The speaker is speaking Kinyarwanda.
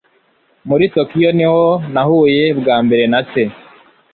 Muri Tokiyo niho nahuye bwa mbere na se